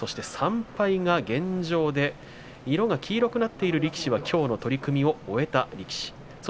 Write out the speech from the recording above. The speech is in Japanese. ３敗が現状で色が黄色くなっている力士はきょうの取組を終えた力士です。